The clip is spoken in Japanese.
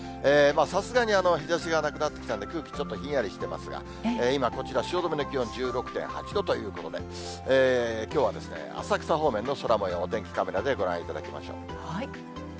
さすがに日ざしがなくなってきたんで空気ちょっとひんやりしてますが、今、こちら、汐留の気温１６．８度ということで、きょうは浅草方面の空もよう、お天気カメラでご覧いただきましょう。